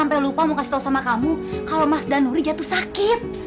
sampai lupa mau kasih tau sama kamu kalau mas danuri jatuh sakit